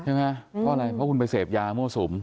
ใช่ไหมเพราะอะไรเพราะคุณไปเสพยามั่วสุม